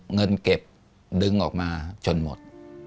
เงินเก็บดึงออกมาจนหมด